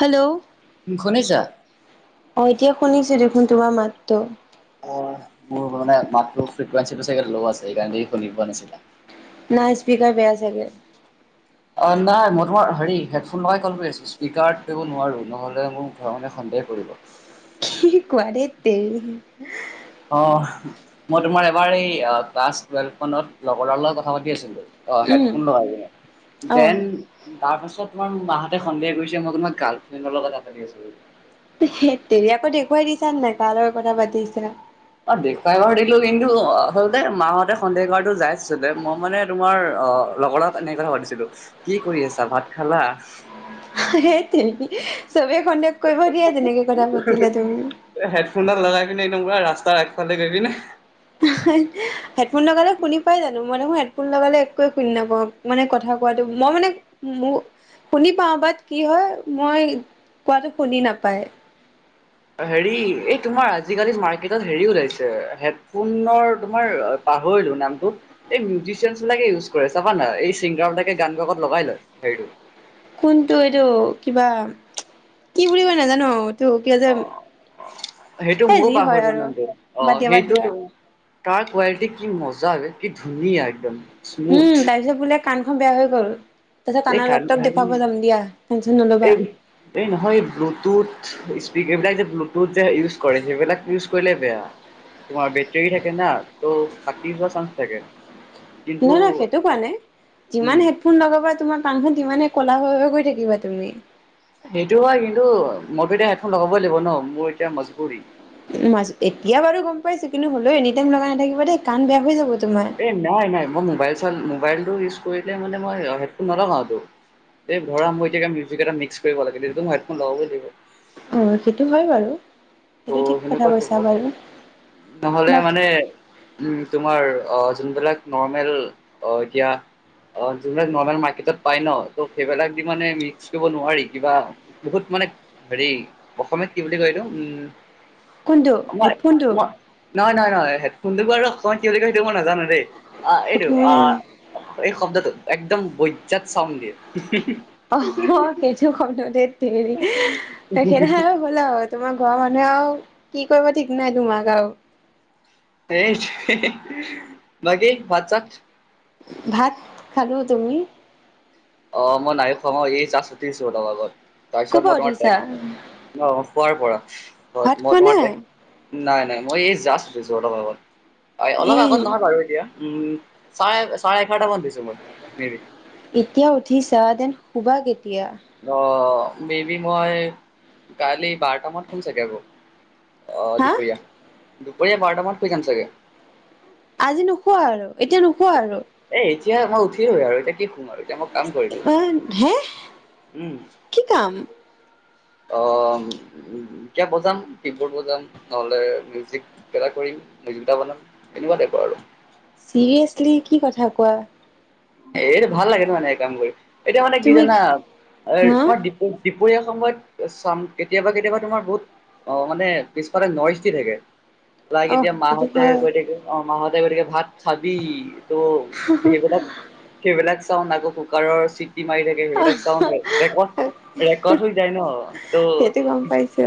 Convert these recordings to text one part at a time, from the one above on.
Hello. শুনিছা? অ' এতিয়া শুনিছোঁ দেখোন তোমাৰ মাতটো। অ' বু মোৰ মানে মাতটো ফ্ৰিকুৱঞ্চিটো চাগ লগোৱা আছে সেইকাৰণে ছাগে শুনি পোৱা নাছিলা। নাই স্পিকাৰ বেয়া চাগে। অ' নাই মই তোমাৰ হেৰি হেডফোন লগাই কল কৰি আছোঁ। স্পীকাৰত কৰিব নোৱাৰো নহ'লে মোৰ ঘৰৰ মানুহে সন্দেহ কৰিব। কি কোৱা, দেত তেৰি। অ' মই তোমাৰ এবাৰ এই ক্লাছ টুৱেলভখনত লগৰৰ লগত কথা পাতি আছিলো অ' উম হেডফোন লগাই লগাই অ দেন তাৰপাছত তোমাৰ মাহঁতে সন্দেহ কৰিছে মই তোমাৰ গাৰ্লফ্ৰেডৰ লগত কথা পাতি আছোঁ বুলি। দেত তেৰি, আকৌ দেখুৱাই দিছানে নাই কাৰ লগত কথা পাতি আছিলা। অ' দেখুৱাই বাৰু দিলো কিন্তু আচলতে মাহতে সন্দেহ কৰাটো জায়েজ আছিলে মই মানে তোমাৰ অ' লগৰ তাত এনেক কথা পাতি আছিলো, কি কৰি আছা, ভাত খালা? হেই তুমি, চবে সন্দেক কৰিব দিয়া তেনেকে কথা পাতিলে তুমি। হেডফোনডাল লগাই কিনে একদম পুৰা ৰাস্তাৰ আগফালে গৈ পিনে হেডফোন লগালে শুনি পাই জানো? মই দেখোন হেডফোন লগালে একোৱে শুনি নাপাওঁ। মানে কথা কোৱাটো, মই মানে মোৰ শুনি পাও বাট কি হয়, মই কোৱাটো শুনি নাপায়। হেৰি এই তোমাৰ আজিকালি মাৰ্কেটত হেৰি ওলাইছে হেডফোনৰ তোমাৰ পাহৰিলো নামটোৰ। এই মিউজিচিয়ানবিলাকে ইউজ কৰে, চাবা না এই চিংগাৰবিলাকে গান গাকত লগাই লয় হেৰিটো। কোনটো এইটো কিবা, কি বুলি কয় নাজানো। ত' কি হৈছে সেইটো সেই ময়ো যি হয় পাহৰিলো আৰু নামটো অ বাদ দিয়া বাদ সেইটো দিয়া। তাৰ কোৱালিটি কি মজা বে, কি ধুনীয়া একদম। স্মুথ হুম, তাৰপিছত বোলে কাণখন বেয়া হৈ গ'ল। তাৰপিছ এই কানৰ ডক্তৰক দেখাব গান যাম দিয়া টেনশ্যন নল'বা। এই এই নহয় এ, ব্লুটুথ স্পিক এইবিলাক যে ব্লুটুথ যে ইউজ কৰে সেইবিলাক ইউজ কৰিলে বেয়া, তোমাৰ বেটাৰী থাকে না ত' ফাটি যোৱা চান্স থাকে। কিন্তু নহ নহয় সেইটো কোৱা নাই। উম যিমান ফোন লগাবা তোমাৰ কাণখন তিমানে ক'লা হৈ গৈ থাকিবা তুমি। সেইটোও হয়, কিন্তু মইতো এতিয়া হেডফোন লগাবই লাগিব ন' মোৰ এতিয়া মজবুৰি। মাইছো, এতিয়া বাৰু গম পাইছোঁ কিন্তু হ'লেও এনি টাইম লগাই নাথাকিব দেই কাণ বেয়া হৈ যাব তোমাৰ। এই নাই নাই, মই মোবাইল চ মোবাইলটো ইউজ কৰিলে মানে মই হেডফোন নলগাওটো এই ধৰা মই এতিয়া মিউজিক এটা মিক্স কৰিব লাগিল এইটো টাইমত হেডফোন লগাবই লাগিব। অ' সেইটো হয় বাৰু। ত' সেইটো ঠিক সেনেকুৱাতো কৈছা কথা বাৰু নহ'লে বাক মানে উম, তোমাৰ অ' যোনবিলাক নৰ্মেল এতিয়া অ' যিবিলাক নৰ্মেল মাৰ্কেটত পায় ন' ত' সেইবিলাক দি মানে মিক্স কৰিব নোৱাৰি কিবা বহুত মানে হেৰি, অসমীয়াত কি বুলি কয় এইটো উম কোনটো মই হেডফোনটো ম নয় নয় নহয় হেডফোনটো বাৰু কয় কেইলে কয় সেইটো মই নাজানো দেই। আ, সেইটো এইটো মই আ, নাজানো এই শব্দটো একদম বৈজাত চাউণ্ড দিয়ে। অ' সেইটো শব্দ দেত তেৰি, তেখেতে হ'লা হয় তোমাৰ ঘৰৰ মানুহে আৰু কি কৰিব ঠিক নাই তোমাক আৰু। এইট, বাকি ভাত চাত? ভাত খালো। তুমি? অ' মই নাই খোৱা, মই এই জাষ্ট উঠিছোঁ এটাডালত, ক'ৰ তাৰপিছত পৰা মই উঠিছা তোমাৰ অ' শুৱাৰপৰা। ভাত খোৱা মই নাই তোমাৰতে নাই নাই মই এই জাষ্ট উঠিছোঁ অলপ আগত, অলপ আগত উম নহয় বাৰু এতিয়া। উম, চাৰে চাৰে, ইঘৰটা মানত দিছোঁ মই হেৰিট এতিয়া উঠিছা দেন শুবা কেতিয়া? অ', মেবী মই কালি বাৰটামান শুম চাগে আকৌ। অ', হা দুপৰীয়া দুপৰীয়া বাৰটামানত শুই যাম চাগে। আজি নুশুৱা আৰু এতিয়া নুশুৱা আৰু? এ এতিয়া মই উঠিলো আৰু এতিয়া কি শুম আৰু এতিয়া মই কাম কৰিম, হে উম, কি কাম? অ', কিবা বজাম, কিবোৰ্ড বজাম, নহলে মিউজিক, কিবা এটা কৰিম দুটা মানত এনেকুৱা [unintelligible] আৰু চিৰিয়াছলি কি কথা কোৱা? এইটো ভাল লাগে ন' এনেকে কাম কৰি, এতিয়া মানে কি তুমি জানা হা [unintelligible] দুপৰীয়া সময়ত চাম কেতিয়াবা কেতিয়াবা তোমাৰ বহুত অ', মানে পিছফালে নইচ দি থাকে, অ লাইক এতিয়া সেইটো মাহঁতে হয় কৈ থাকে অ', মাহঁতে কৈ থাকে, ভাত খাবি ত' সেইবিলাক সেইবিলাক চাওঁ আকৌ কুকাৰৰ চিটি মাৰি থাকে সেইবিলাক চাউণ্ড ৰেকৰ্ড ৰেকৰ্ড হৈ যায় ন' ত' সেইটো গম পাই ছো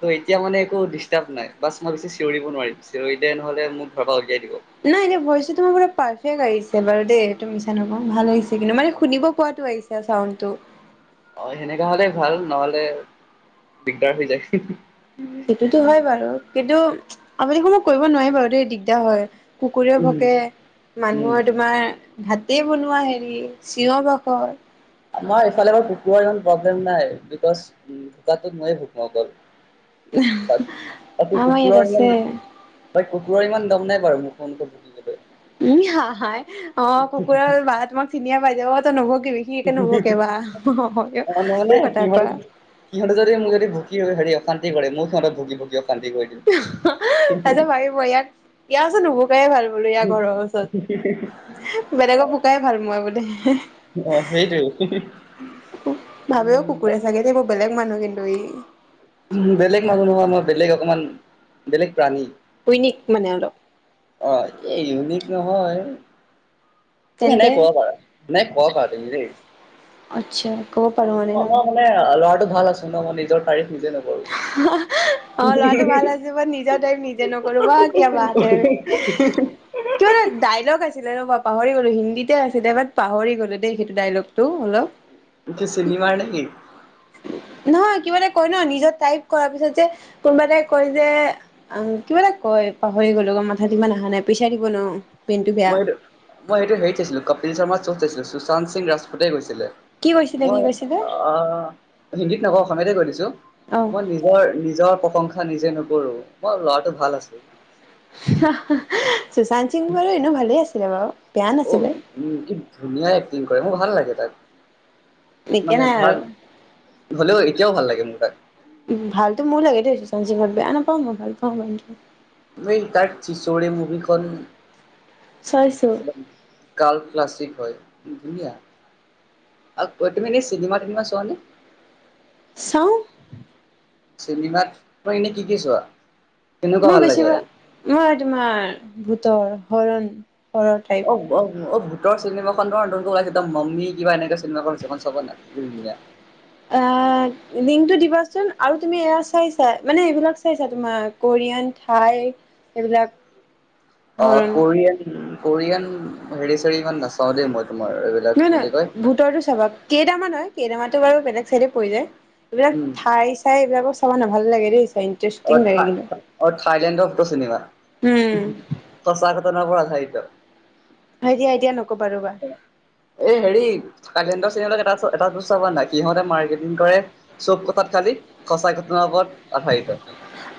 ত' এতিয়া মানে একো ডিষ্টাৰ্ব নাই, বাছ মই বেছি চিঞৰিব নোৱাৰিম, চিঞৰি নহলে মোক ঘৰ পৰা উলিয়াই দিব। নাই এনেই ভইচটো তোমাৰ পুৰা পাৰফেক্ট আহিছে বাৰু দেই এইটো মিছা নকওঁ, ভাল আহিছে কিন্তু মানে শুনিব পোৱাতো আহিছে চাউণ্ডটো অ', সেনেকা হলে ভাল নহলে দিগদাৰ হৈ যায়। সেইটোতো হয় বাৰু কিন্তু আমি [unintelligible] কৰিব নোৱাৰি বাৰু দেই দিগদাৰ হয়। কুকুৰেও উম ভকে উম। মানুহৰ তোমাৰ ভাতেই বনোৱা হেৰি চিঞৰ বাখৰ আমাৰ ইফালে বাৰু ককুৰাৰ ইমান প্ৰব্লেম নাই, বিকছ ভুকাটো মইয়ে ভুকু অকল। বাকী আমাৰ ইয়াত কুকুৰৰ ইমান আছে বাত কুকুুৰাৰ ইমান দম নাই বাৰু মুখখনকৈ ভুকিবলৈ উম, হা হাই অ', কুকুৰৰ বা তোমাক চিনিয়ে পাই যাব তই নভুকিবি সি একে নুভুকে বা হয় অ, মানে কি মানে কথা সিহঁত কোৱা সিহঁতে যদি মোক যদি ভুকি হেৰি অশান্তি কৰে, মই সিহঁতক ভুকি ভুকি অশান্তি কৰি দিওঁ। [unintelligible] ভাবিব য়াক য়াৰ ওচৰত নুভুকায়ে ভাল বোলো, য়াৰ ঘৰৰ ওচৰত। বেলেগক ভুকাই ভাল মই [unintelligible] অ', সেইটোৱে ভাবেও কুকুৰে চাগে দেই বৰ বেলেগ মানুহ কিন্তু ই বেলেগ মানুহ নহয়, মই বেলেগ অকমান, বেলেগ প্ৰাণী। ইউনিক মানে অলপ অ', এই ইউনিক নহয় তুমি তেন্তে এনেকে কব পাৰা, মানে কব পাৰা তুমি দেই আচ্ছা ক'ব পাৰো মানে ন। ল'ৰাটো ভাল আছোঁ ন' মই নিজৰ তাৰিফ নিজে নকৰো অ', ল'ৰাটো ভাল আছে বাত নিজৰ তাৰিফ নিজে নকৰোঁ, বাহ কিয়া বাত হে এইটো কিবা এটা ডাইলগ আছে আছিলে ৰবা পাহৰি গ'লোঁ হিন্দীতে আছিলে বাট পাহৰি গ'লো দেই সেইটো ডাইলগটো অলপ কি চিনেমাৰ নেকি? নহয় কিবা এটা কয় ন' নিজৰ টাইপ কৰাৰ পিছত যে, কোনবা এটাই কয় যে আহ কিবা এটা কয় পাহৰি গ'লো, মাথাত ইমান আহা নাই প্ৰেচাৰ দিব নোৱাৰোঁ। মই সেইটো, মই সেইটো হেৰিত চাইছিলোঁ, কপিল শৰ্মাৰ শ্বট চাইছিলোঁ সুশান্ত সিং ৰাজপুতে কৈছিলে। কি কৈছিলে কি মই কৈছিলে আ, হিন্দীত নকওঁ অসমীয়াতে কৈ দিছো। অ। মই নিজৰ নিজৰ প্ৰশংসা নিজে নকৰো, মই ল'ৰাটো ভাল আছোঁ। হাহ হাহ‌ সুশান্ত সিং বাৰু এনেও ভালেই আছিলে বাৰু। বেয়া অ, নাছিলে কি ধুনীয়া এক্টিং কৰে ন, ভাল লাগে তাক। এতিয়া মানে নাই ধৰা, আৰু হ'লেও এতিয়াও ভাল লাগে মোৰ তাক। ভালতো মোৰ লাগে দেই চচান‌ সিংক বেয়া নাপাওঁ মই ভাল পাওঁ মানু এই তাৰ চিচৰে মুভিখন চাইছো, গাৰ্ল ক্লাছিক হয়, ধুনীয়া আ, তুমি এনেই চিনেমা-টিনেমা চোৱানে? চাওঁ। চিনেমাট এনেই কি কি চোৱা? কেনেকুৱা মই ভাল লাগে? বেছিভাগ, মই তোমাৰ ভূতৰ হৰণ- হৰৰ টাইপ অ, ভূতৰ চিনেমাখনৰ, দা নমিনী কিবা এনেকুৱা চিনেমাখন আছে, চালা নে নাই? কি ধুনীয়া। আ, লিংকটো দিবাচোন আৰু তুমি এয়া চাইছা, মানে এইবিলাক চাইছা তোমাক কৰিয়ান ঠাই, এইবিলাক অ, হৰণ কৰিয়ান, কৰিয়ান হেৰি-চেৰি ইমান নাচাওঁ দেই মই তোমাৰ এইবিলাক নহয়, কি নহয় বুলি কয় ভূতৰটো চাবা, কেইদামা নহয় কেইদামা টো বাৰু বেলেগ চাইডে পৰি যায়। এইবিলাক উম ঠাই চাই এইবিলাকো চাবনা, ভাল লাগে দেই চাই। ইণ্টাৰেষ্টিং অ, লাগে কিন্তু। থাই-অ, থাইলেণ্ডৰ ভূতৰ চিনেমা। উম সঁচা ঘটনা ওপৰত আধাৰিত। হয় দিয়া এতিয়া নক'বা ৰ'বা। এ, হেৰি থাইলেণ্ডৰ চিনেমাট এটা, এটা বস্তু চাইচা নে নাই সহঁতে মাৰ্কেটিং কৰে চব কথাত খালি, সঁচা ঘটনাৰ ওপৰত আধাৰিত।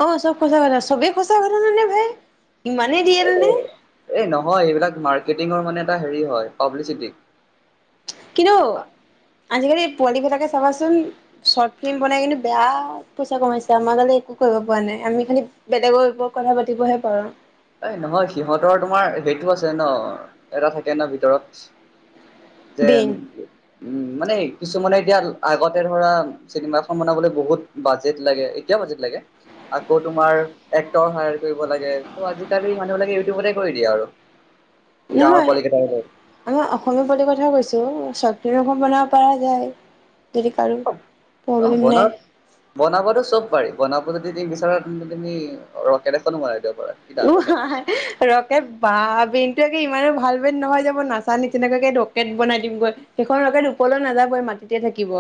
অ, চব কথা চবে সঁচা ঘটনানে ভাই, ইমানেই এ ৰিৱেল নে? এই নহয় এইবিলাক মাৰ্কেটিঙৰ মানে এটা হেৰি হয়, পাব্লিচিটি। কিন্তু আজিকালি পোৱালীবিলাকে চাবাচোন। চৰ্ত ফিল্ম বনাই কিন্তু বেয়া পইচা কমাইছে, আমাৰ গালে একো কৰিব পৰা নাই, আমি খালি বেলেগৰ ওপৰত কথা পাতিবহে পাৰো। এই নহয় সিহঁতৰ তোমাৰ হেইটো আছে ন, এটা থাকে ন ভিতৰত। যেন বিন উম, মানে কিছুমানে এতিয়া আগতে ধৰা চিনেমা এখন বনাবলৈ বহুত বাজেট লাগে, এতিয়াও বাজেট লাগে। আকৌ তোমাৰ, এক্টৰ হায়াৰ কৰিব লাগে। ত, আজিকালি মানুহবিলাকে ইউটিউবতে কৰি দিয়ে আৰু গাঁৱৰ নহয় পোৱালিকেইটামানলৈ আমাৰ অসমীয়া পোৱালিৰ কথা কৈছো, চৰ্ত ফ্লিম এখন বনাব পৰা যায়। যদি কাৰো প্ৰব্লেম নাই। [unintelligible] বনাবটো চব পাৰি, বনাব যদি তুমি বিচাৰা, তেন্তে তুমি ৰকেট এখনো বনাই দিব পাৰা। কি উ, ডাঙৰ কথা হায় ৰকেট বা বেইনটো ইমানো ভাল বেইন নহয় যে মই নাচা নিচিনাকৈ গৈ ৰকেট বনাই দিম গৈ। সেইখন ৰকেট ওপৰলৈ নাযাবই এই মাটিতে থাকিব।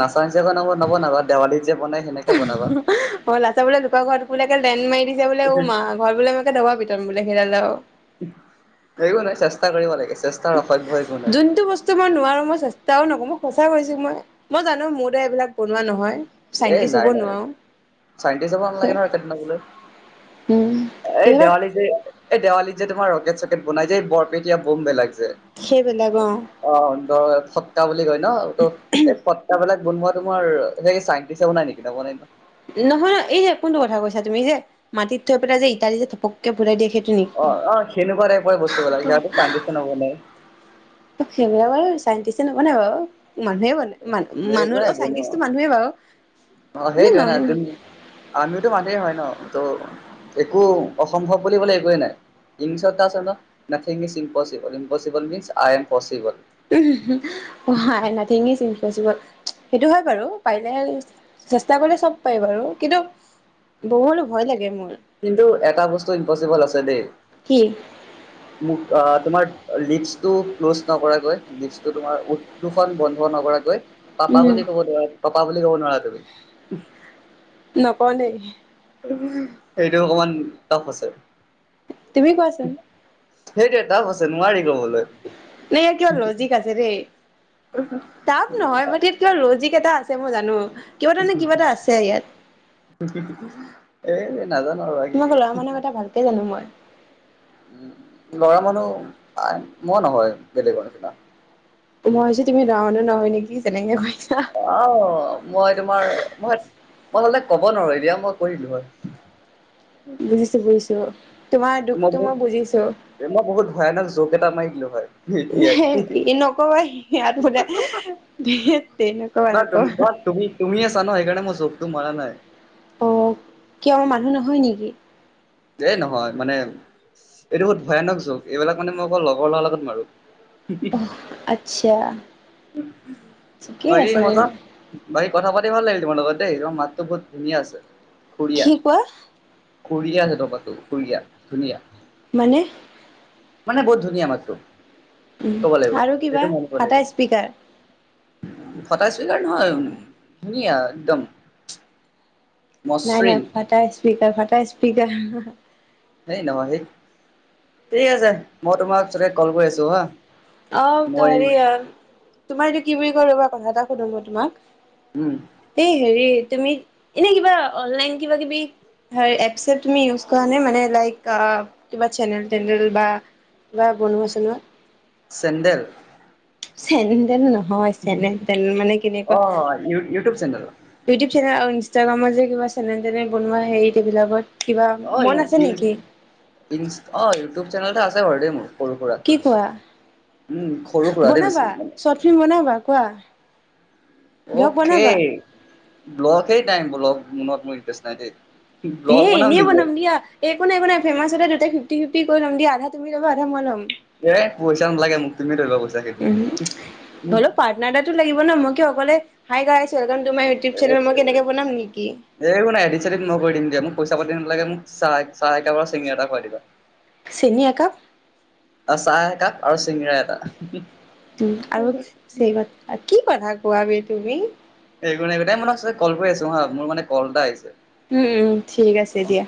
নাচা নিচিনাকৈ নবনাবা, দেৱালীত যে বনাই সেনেকে বনাবা [unintelligible] লাচতত বোলে লোক ঘৰত বোলে লেণ্ড মাৰি দিছে বোলে, অ, মা ঘৰত বোলে‌ মো একে দবা পিটন, সেইডাল আৰু। একো নাই চেষ্টা কৰিব লাগে, চেষ্টা যোনটো বস্ত মই নোৱাৰো মই চেষ্টাও নকৰো মই সঁচাই কৈছো মই, মই জানো মোৰ দাৰা এইবিলাক বনোৱা নহয়। এ, চাইন্টিষ্ট হ'ব নাই নাই নোৱাৰো চাইণ্টিছ হ'ব চ নালাগে নহয় তাত নগ'লেও। উম, এৰা যে এই দেৱালীত যে তোমাৰ ৰকেট-চকেট বনাই যে, এই বৰপেটীয়া বম বেলাক যে। সেইবিলাক অ, অ, বৰ সত্তা বুলি কয় ন, ত সেই ফট্টাবলাক বনোৱা তোমাৰ সেই চাই টিচে‌ বনাই নেকি? নবনাই ন। নহয় এই কোনটো কথা কৈছা, তুমি যে মাটিত থৈ পেলাই যে ইটা দিযে থপক তাকে ভুৰাাই দিয়ে সেইটো নে [unintelligible] কেনেকুৱা এক বস্তুবিলাক সিহত পানীছে নব নাই [inaudible] [unintelligible] সিমিৰা বাৰু চাইণ্টিষ্টে নবোৱা নাই বাৰু [unintelligible] মানুহে মানোন একো মানুহে নাই অ বনোৱা। চাইন্টিষ্ট মানুহে বাৰু হয়ে নহ মে আমিওটো মানুহ হে হয় ন ত' একো অসম্ভৱ বুলিবলে একোৱে নাই। ইংলিচত আছে, nothing is impossible impossible means I am possible. Nothing is impossible সেইটো হয় বাৰু পাৰিলেে চেষ্টা কৰিলে চব পাই বাৰু, কিন্তু বহুত ভয় লাগে মোৰ। কিন্তু এটা বস্তু ইমপচিবল আছে দেই। কি মোক তোমাৰ লিপচটো ক্ল'জ নকৰাকৈ লিপচটো তোমাৰ উ দুখন বন্ধু নকৰাকৈ পাপা উম বুলি কব নোৱাৰা পাপা বুলি কব নোৱাৰা তুমি। নকোৱা নে [inaudible] সেইটো অকমান টাফ আছে। তুমি কোৱাচোন। সেইটোৱে টাফ আছে নোৱাৰি কবলৈ। ন ইয়য়া কিয় লজিক আছে দেেই [inaudible] তে [inaudible] টাফ নহয় মুঠতে ইয়াত কিবা ল'জিক এটা আছে মই জানো, কিবা এটা নে কিবা এটা আছে ইয়াত। এ নাজানো বা কি। তোমাক ল'ৰা মানুহৰ কথা ভালকে জানো মই। উ লৰা মানুহ মোই নহয় বেলেগৰ নিচিনা [inaudible] মই হৈছে তুমি নওনো নহয় নেকি যেনেকে কৈছা [inaudible] আহ মই তোমাৰ মই মইহ'লে ক'ব নোৱাৰো এতিয়া মই কৰিলো হয়। বুজিছো বুজিছো, তোমাৰ দুখটো মই বুজিছো। মই বহুত ভয়ানক জোক এটা মাৰি দিলো হয় এতিয়াই। নকবা সিহাত বোধে [inaudible] হেট তেৰি ন তুমি অ অঁকৰা। তুমি তুমি আছ ন সেইকাৰণে মই যোক টো মাৰা নাই। অঁ, কিয় মানুহ নহয় নেকি? এই নহয়, মানে এইটো বহুত ভয়ানক য'গ এইবিলাক মানে মই অকল লগৰ ল'ৰাৰ লগত মাৰো। অহ আচ্ছা। ঠিকেই বাকী আছে মজা? তেনে। বকী, কথা পাতি ভাল লাগিলে তোমাৰ লগত দেই, তোমাৰ মাতটো বহুত ধুনীয়া আছে সুৰীয়া। কি কোৱা? সুৰয়া জত পাতো সুৰয়া ধুনীয়া [unintelligible] মানে? মানে বহুত ধুনীয়া মাতটো ক'ব লাগিব, এইটো মন কৰিব লাগিব। স্পিকাৰ? ফটা চুইকাৰাৰ নহয় ধুনীয়া একদম [inaudible] নাই নাই মসৃণ ফটা স্পিকাৰ ফটা স্পিকাৰ। সেই নহয় সেই, ঠিক আছে মই তোমাক কল কৰি আছো হা। আহ ত মই হেৰি, তোমাৰ এইটো কি বুলি কয় কথা এটা সোধো তোমাক। উম এই হেৰি তুমি এনে কিবা অনলাইন কিবা কিবি হয় এচ তুমি ইউজ কৰা নে মানে লাইক কিবা চেনেল তেনেল বা [unintelligible] [inaudible] বা বনোৱা চনোৱাত। চেণ্ড্ৰেল? চেনদেল নহয় চেনেল, মানে কেনেকুৱা অ ইউ ইউটিউব চেনেল ইউটিউব চেনেল আৰু ইনষ্টাগ্ৰামত যে কিবা চেনেল তেনেল বনোৱা সেইবিলাকত। অ ই ই ই অ ইউটিউব চেনেল আছে বাৰু মোৰ সৰু-সুৰা কি কোৱা উম, সৰু সুৰাতে বেছি। মানে চৰ্ট ফিল্ম বনাবা? কোৱা। ব্লগ অ'কে বনাবা ব্লগ হেই টাইম ব্লগ মন মোৰ ইণ্ট্ৰেষ্ট নাই। এ, ব্লগ এনেই নেকি বনাম দিয়া। একো নাই একো নাই, ফেমাছতে দুটাই ফিফট ফিফটি কৰি ল'ম, আধা তুমি লব আধা মই লম। এ, পইচা নালাগে মোক, তুমি লৈ লবা পইচা। সেইটো উ, মোক হ'লেও পাৰ্টনাৰ এটাতো লাগিব ন' মই কি অকলে hi guys welcome to my ইউটিউ channel, মই এনেক বনাম নেকি? এইবোৰ নাই, এডিট চেডিত মই কৰি দিম দিয়া, মোক পইচা পাতি নালাগে মোক চাহ চাহ একাপ আৰু চিঙিৰা এটা খুৱাই দিবা। চেনী একাপ? চাহ একাপ আৰু চিঙিৰা এটা। উ, আৰু চিংৰা কি কথা কোৱবি তুমি? একো নাই একো এ, মই না কল কৰি আছোঁ হা, মোৰ মানে কল এটা আহিছে। উম, উম, ঠিক আছে দিয়া।